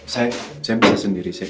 saya bisa sendiri